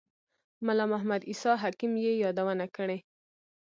ملا محمد عیسی حکیم یې یادونه کړې.